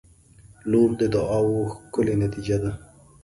• لور د دعاوو ښکلی نتیجه ده.